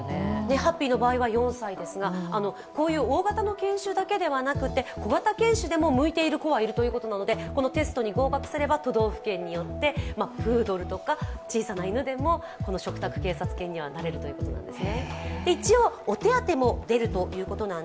ハッピーの場合は４歳ですが、こういう大型の犬種だけではなくて小型犬種でも向いている子もいるということなのでこのテストに合格すれば都道府県によって、プードルとか小さな犬でも嘱託警察犬にはなれるということなんですね。